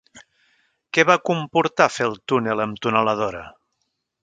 Què va comportar fer el túnel amb tuneladora?